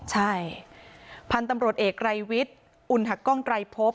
ใช่พันธ์ตำวรชเอกไรยวิทย์อุณถักกล้องไตรภพ